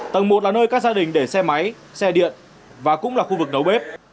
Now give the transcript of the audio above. tầng một là nơi các gia đình để xe máy xe điện và cũng là khu vực nấu bếp